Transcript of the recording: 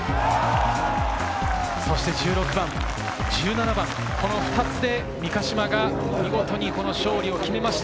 そして１６番、１７番、この２つで三ヶ島が見事に勝利を決めました。